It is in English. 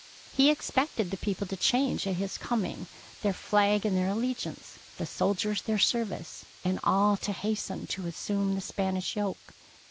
He expected the people to change at his coming their flag and their allegiance, the soldiers their service, and all to has ten to assume the Spanish yoke.